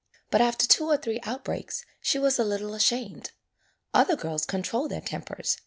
But after two or three outbreaks she was a lit tle ashamed. Other girls controlled their tem pers.